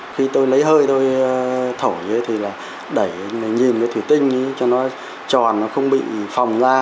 khi tôi lấy hơi tôi thổi thì là đẩy nhìn cái thủy tinh cho nó tròn nó không bị phòng ra